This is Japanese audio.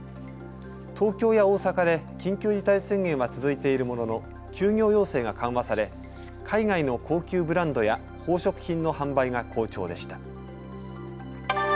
東京や大阪で緊急事態宣言は続いているものの休業要請が緩和され海外の高級ブランドや宝飾品の販売が好調でした。